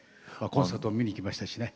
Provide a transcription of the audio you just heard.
コンサートも見に行きましたしね。